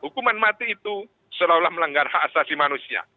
hukuman mati itu seolah olah melanggar hak asasi manusia